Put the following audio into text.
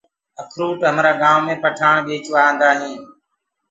اکروُٽ همرآ گآئونٚ پٺآڻ ڀيچوآ آندآ هين۔